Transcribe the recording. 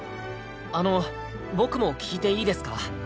あの僕も聞いていいですか？